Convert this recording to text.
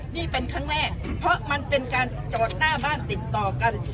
นี่เป็นครั้งแรกเพราะมันเป็นการจอดหน้าบ้านติดต่อกัน